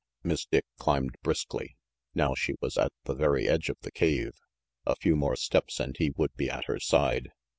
Miss Dick climbed briskly. Now she was at the very edge of the cave. A few more steps and he would be at her side.